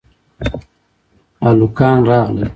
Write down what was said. هلکان راغل